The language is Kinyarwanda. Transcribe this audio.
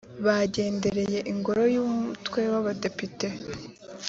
bagendereye ingoro y umutwe w abadepite